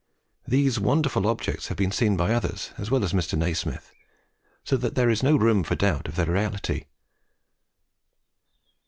These wonderful objects have been seen by others as well as Mr. Nasmyth, so that them is no room to doubt of their reality."